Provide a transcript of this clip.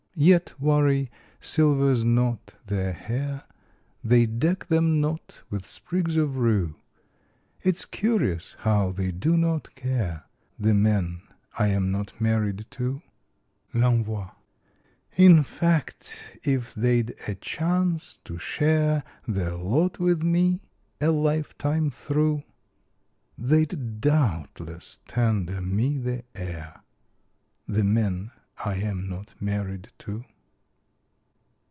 Yet worry silvers not their hair; They deck them not with sprigs of rue. It's curious how they do not care The men I am not married to. L'ENVOI In fact, if they'd a chance to share Their lot with me, a lifetime through, They'd doubtless tender me the air The men I am not married to.